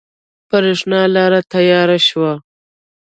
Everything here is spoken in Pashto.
برېښنا لاړه تیاره شوه